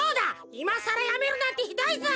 いまさらやめるなんてひどいぞ！